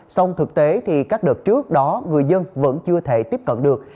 sông thực tế thì các đợt trước đó người dân vẫn chưa thể tiếp cận được